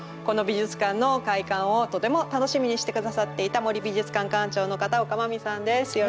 この美術館の開館をとても楽しみにして下さっていた森美術館館長の片岡真実さんです。